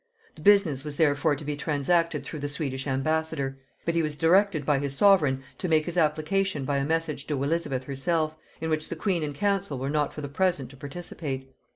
The business was therefore to be transacted through the Swedish ambassador; but he was directed by his sovereign to make his application by a message to Elizabeth herself, in which the queen and council were not for the present to participate.